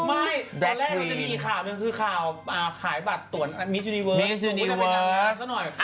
ไม่ตอนแรกเราจะมีข่าวหนึ่งคือข่าวขายบัตรตวนมิสยูนิเวิร์ส